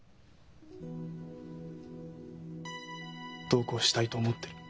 どうこうしたいと思ってる。